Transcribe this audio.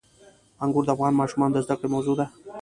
انګور د افغان ماشومانو د زده کړې موضوع ده.